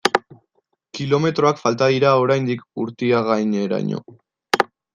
Kilometroak falta dira oraindik Urtiagaineraino.